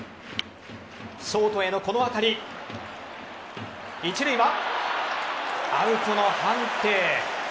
ショートへのこの当たり一塁はアウトの判定。